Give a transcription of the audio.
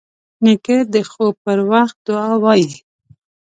نیکه د خوب پر وخت دعا وايي.